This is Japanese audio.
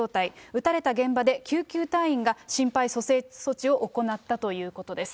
撃たれた現場で救急隊員が心肺蘇生措置を行ったということです。